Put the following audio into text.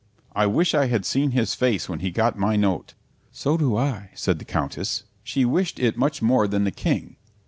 "I wish I had seen his face when he got my Note." "So do I," sighed the Countess. She wished it much more than the King.